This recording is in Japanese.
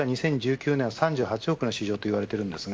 実は２０１９年３８億の市場といわれています。